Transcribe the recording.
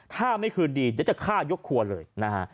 ถ้าไม่คืนดีเธอจะฆ่ายกครัวเลย